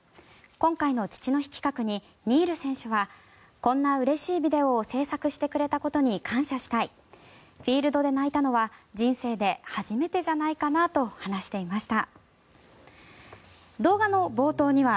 今回の父の日企画にニール選手はこんなうれしいビデオを制作してくれたことに感謝したいフィールドで泣いたのは人生で初めてじゃないかなと話していました。